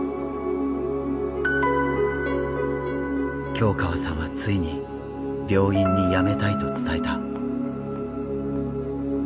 京河さんはついに病院に辞めたいと伝えた。